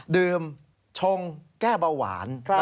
ดื่มชงแก้เบาหวาน